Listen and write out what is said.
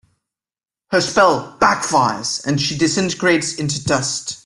Her spell backfires and she disintegrates into dust.